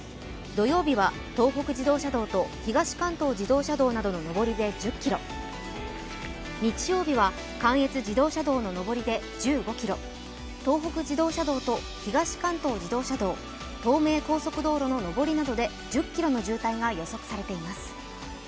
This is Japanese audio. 土曜日は東北自動車道と東関東自動車道などの上りで１０ｋｍ日曜日は関越自動車道の上りで１５ｋｍ東北自動車道と東関東自動車道、東名高速道路の上りなどで１０ｋｍの渋滞が予測されています。